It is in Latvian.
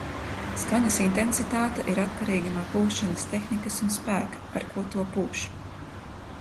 Skaņas intensitāte ir atkarīga no pūšanas tehnikas un spēka, ar ko to pūš.